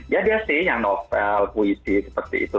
ya dia sih yang novel puisi seperti itu